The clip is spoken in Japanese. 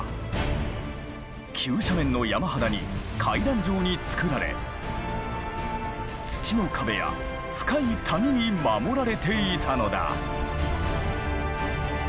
急斜面の山肌に階段状に造られ土の壁や深い谷に守られていたのだ。